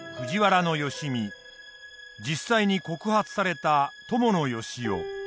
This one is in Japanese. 実際に告発された伴善男。